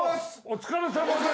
お疲れさまです